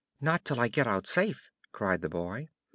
"Not till I get out safe," cried the boy.